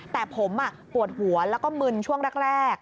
แต่ผมปวดหัวแล้วก็มึนช่วงแรก